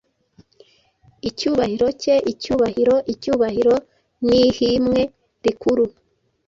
Icyubahiro cye, Icyubahiro, Icyubahiro nIhimwe rikuru,